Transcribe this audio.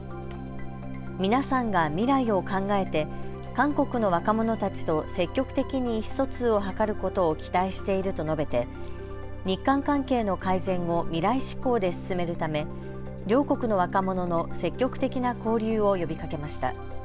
皆さんが未来を考えて韓国の若者たちと積極的に意思疎通を図ることを期待していると述べて日韓関係の改善を未来志向で進めるため両国の若者の積極的な交流を呼びかけました。